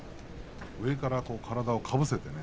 上から体をかぶせてね。